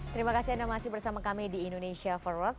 terima kasih anda masih bersama kami di indonesia forward